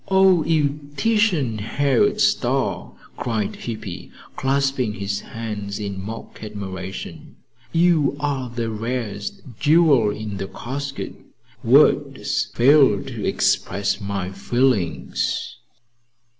"O you Titian haired star!" cried Hippy, clasping his hands in mock admiration. "You are the rarest jewel in the casket. Words fail to express my feelings.